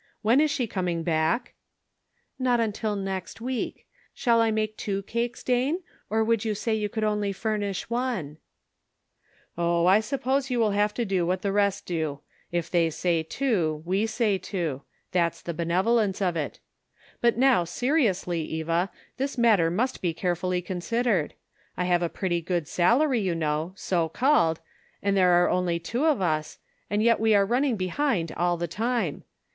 When is she coming back ?" "Not until next week. Shall I make two cakes, Dane, or would you say you could only furnish one ?"" Oh, I suppose you will have to do what the rest do. If they say two, we say two ; that's the benevolence of it. But, now seriously, Eva, this matter must be carefully considered. I have a pretty good salary, you know — so called— and there are only two of us, and yet we are running behind all the time.